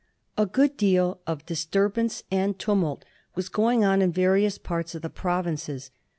A GOOD deal of disturbance and tumult was going on in various parts of the provinces.